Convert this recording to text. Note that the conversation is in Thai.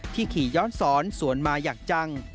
ขี่ย้อนสอนสวนมาอย่างจัง